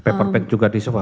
paper bag juga di semua